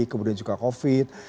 kemudian juga covid